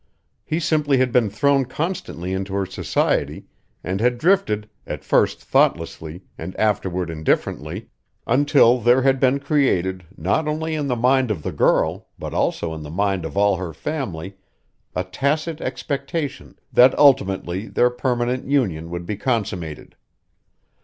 He simply had been thrown constantly into her society and had drifted, at first thoughtlessly and afterward indifferently, until there had been created not only in the mind of the girl but also in the minds of all her family a tacit expectation that ultimately their permanent union would be consummated.